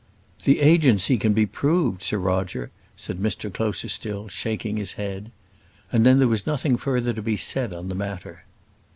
"The agency can be proved, Sir Roger," said Mr Closerstil, shaking his head. And then there was nothing further to be said on the matter.